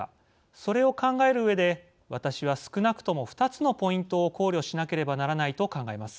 それを考えるうえで私は少なくとも２つのポイントを考慮しなければならないと考えます。